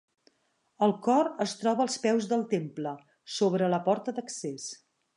El cor es troba als peus del temple, sobre la porta d'accés.